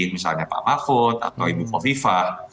misalnya pak mahfud atau ibu kofifah